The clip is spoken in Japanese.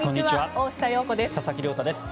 大下容子です。